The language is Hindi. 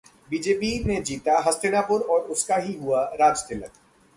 बीजेपी ने जीता 'हस्तिनापुर' और उसका ही हुआ राजतिलक